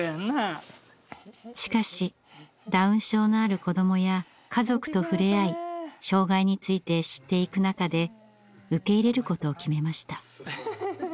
しかしダウン症のある子どもや家族と触れ合い障害について知っていく中で受け入れることを決めました。